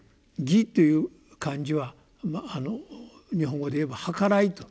「義」という漢字は日本語でいえば「はからい」と。